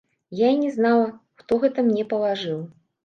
Я і не знала, хто гэта мне палажыў.